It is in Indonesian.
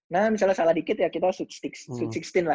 nah misalnya salah dikit ya kita switch sticks switch sticks gitu kan ya